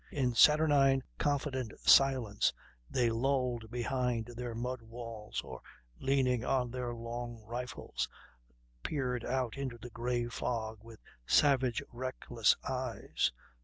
In saturnine, confident silence they lolled behind their mud walls, or, leaning on their long rifles, peered out into the gray fog with savage, reckless eyes.